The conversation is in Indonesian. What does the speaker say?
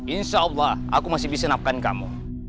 insya allah aku masih bisa napkan kamu